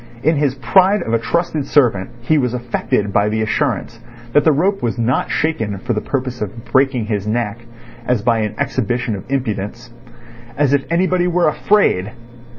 In his pride of a trusted servant he was affected by the assurance that the rope was not shaken for the purpose of breaking his neck, as by an exhibition of impudence. As if anybody were afraid!